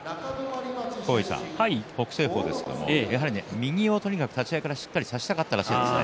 北青鵬ですが右をとにかく立ち合いからしっかり差したかったそうです。